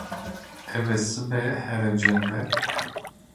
Ew ê sibê here cem wê.